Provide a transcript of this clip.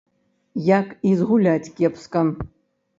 Як і згуляць кепска.